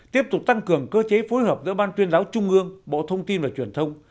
tiếp tục tăng cường cơ chế phối hợp giữa ban tuyên giáo trung ương bộ thông tin và truyền thông